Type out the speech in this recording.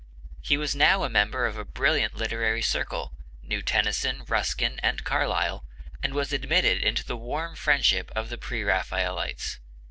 He was now a member of a brilliant literary circle, knew Tennyson, Ruskin, and Carlyle, and was admitted into the warm friendship of the Pre Raphaelites.